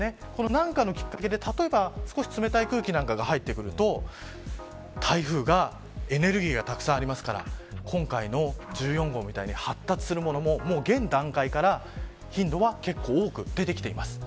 何かのきっかけで、例えば少し冷たい空気が入ってくると台風は、エネルギーがたくさんありますから今回の１４号みたいに発達するものももう現段階から頻度は結構多く出てきています。